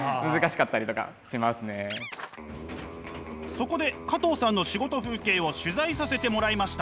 そこで加藤さんの仕事風景を取材させてもらいました。